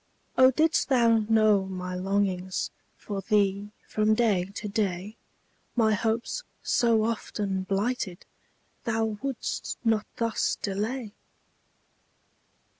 Oh, didst thou know my longings For thee, from day to day, My hopes, so often blighted, Thou wouldst not thus delay!